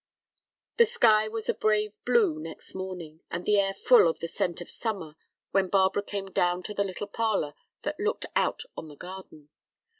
The sky was a brave blue next morning, and the air full of the scent of summer when Barbara came down to the little parlor that looked out on the garden.